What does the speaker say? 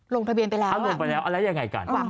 ลงทะเบียนไปแล้วแล้วยังไงกัน